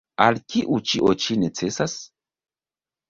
Al kiu ĉio ĉi necesas?